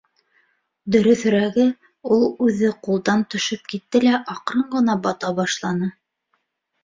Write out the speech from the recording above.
Дөрөҫөрәге, ул үҙе ҡулдан төшөп китте лә аҡрын ғына бата башланы.